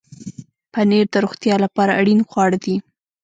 پنېر د روغتیا لپاره اړین خواړه دي.